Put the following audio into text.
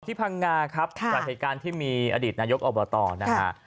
ที่พางงาครับประเทศการณ์ที่มีอดีตนายกอบวาตอร์นะครับ